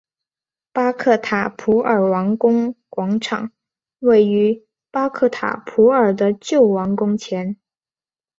巴克塔普尔王宫广场位于巴克塔普尔的旧王宫前。